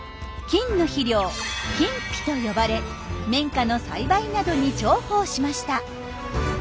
金の肥料「金肥」と呼ばれ綿花の栽培などに重宝しました。